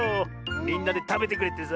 みんなでたべてくれってさあ。